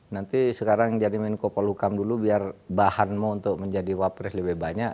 nanti sekarang jadi menko polukam dulu biar bahanmu untuk menjadi wapres lebih banyak